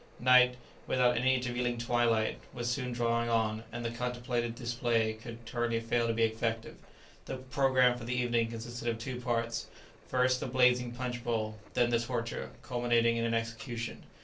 Night, without any intervening twilight, was soon drawing on, and the contemplated display could hardly fail to be effective. The programme for the evening consisted of two parts; first, the blazing punch bowl; then the torture, culminating in an execution.